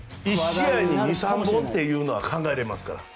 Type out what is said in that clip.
１試合に２３本というのは考えられますから。